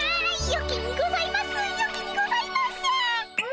よきにございますよきにございます！